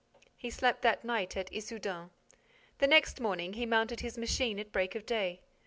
He slept that night at Issoudun. The next morning, he mounted his machine at break of day.